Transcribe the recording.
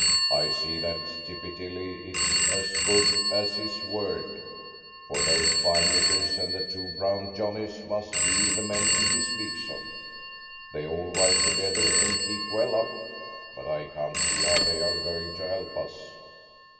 I see that Tippy Tilly is as good as his word, for those five niggers and the two brown Johnnies must be the men he speaks of. They all ride together and keep well up, but I can't see how they are going to help us."